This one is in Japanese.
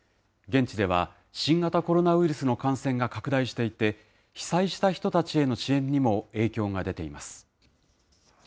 現地では、新型コロナウイルスの感染が拡大していて、被災した人たちへの支援にも影響が出ています。